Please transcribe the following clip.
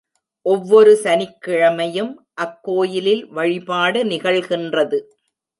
ஒவ்வொரு சனிக்கிழமையும், அக் கோயிலில் வழிபாடு நிகழ்கின்றது.